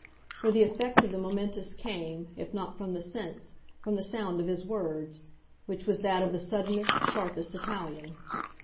For the effect of the momentous came, if not from the sense, from the sound of his words; which was that of the suddenest, sharpest Italian.